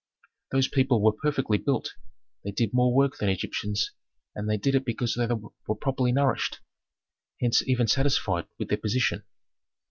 Those people were perfectly built, they did more work than Egyptians, and they did it because they were properly nourished, hence even satisfied with their position.